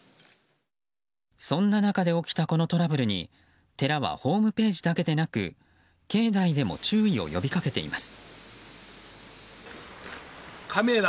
そんな中で起きたこのトラブルに寺は、ホームページだけでなく境内でも注意を呼び掛けています。